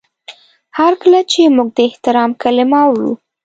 هر کله چې موږ د احترام کلمه اورو